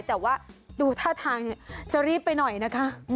แต่ว่าดูท่าทางจะรีบไปหน่อยนะคะ